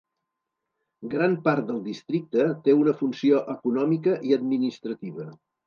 Gran part del districte té una funció econòmica i administrativa.